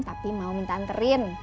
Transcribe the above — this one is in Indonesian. tapi mau minta anterin